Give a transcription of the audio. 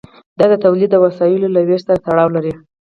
دا د تولید د وسایلو له ویش سره تړاو لري.